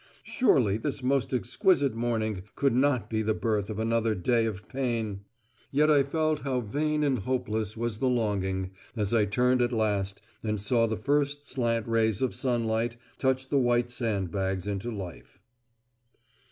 Surely this most exquisite morning could not be the birth of another day of pain? Yet I felt how vain and hopeless was the longing, as I turned at last and saw the first slant rays of sunlight touch the white sand bags into life.